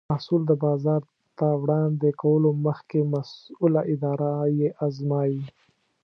محصول د بازار ته وړاندې کولو مخکې مسؤله اداره یې ازمایي.